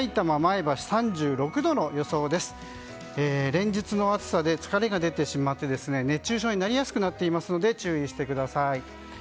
連日の暑さで疲れが出てしまって熱中症になりやすくなっていますので注意してください。